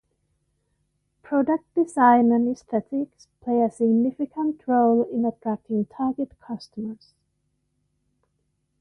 Product design and aesthetics play a significant role in attracting target customers.